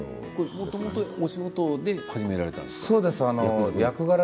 もともと仕事で始められたんですか、役作り。